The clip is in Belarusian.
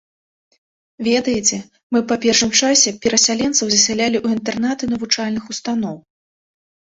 Ведаеце, мы па першым часе перасяленцаў засялялі ў інтэрнаты навучальных устаноў.